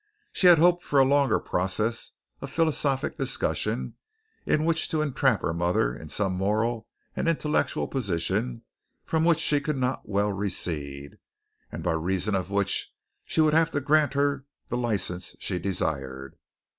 She had hoped for a longer process of philosophic discussion in which to entrap her mother into some moral and intellectual position from which she could not well recede, and by reason of which she would have to grant her the license she desired.